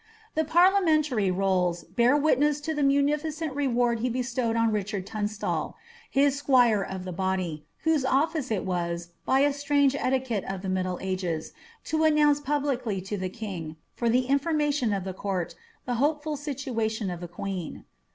The Parliamentary Rolls bear witness of the munificent reward he bestowed on Richard Tunstaly his squire of the body, whose office it was, by a strange etiquette of the fluddle ages, to announce publicly to the king, for the information of the court, the hopeful situation of the queen.